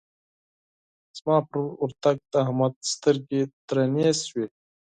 زما پر ورتګ د احمد سترګې درنې شوې.